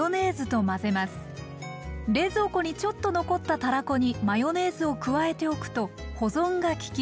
冷蔵庫にちょっと残ったたらこにマヨネーズを加えておくと保存がきき